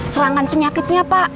serangan penyakitnya pak